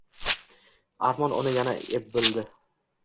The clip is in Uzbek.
Ammo uni yana eb bitirdi